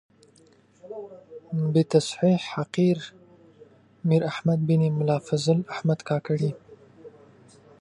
بتصحیح حقیر میر احمد بن ملا فضل احمد کاکړي.